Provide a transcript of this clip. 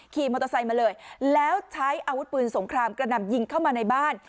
ขี่มอเตอร์ไซค์มาเลยแล้วใช้อาวุธปืนสงครามกระหน่ำยิงเข้ามาในบ้าน